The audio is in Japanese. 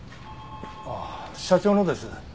ああ社長のです。